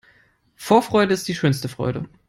Vorfreude ist die schönste Freude.